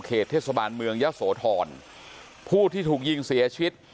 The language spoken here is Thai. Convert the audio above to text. เทศบาลเมืองยะโสธรผู้ที่ถูกยิงเสียชีวิต